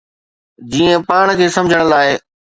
جيئن پاڻ کي سمجھڻ لاء.